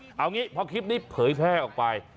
เอาอย่างนี้เพราะคลิปนี้เผยแพร่ออกไป